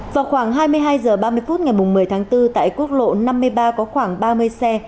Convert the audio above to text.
vào khoảng hai mươi hai h ba mươi phút ngày một mươi tháng bốn tại quốc lộ năm mươi ba có khoảng ba mươi xe